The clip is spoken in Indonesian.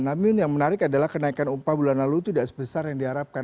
namun yang menarik adalah kenaikan upah bulan lalu tidak sebesar yang diharapkan